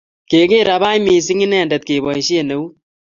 Kigirabach mising inendet kebaishe eut